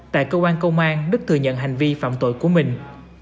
tại cơ quan công an đức thừa nhận hành vi phạm tội của mình